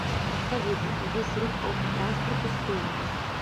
Адпаведна, увесь рух аўтатранспарту спынены.